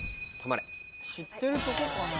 知ってるとこかな。